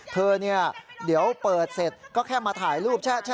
เธอเนี่ยเดี๋ยวเปิดเสร็จก็แค่มาถ่ายรูปแชะ